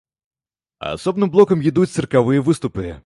Асобным блокам ідуць цыркавыя выступы.